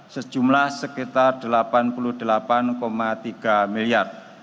sejumlah sekitar rp delapan puluh delapan tiga miliar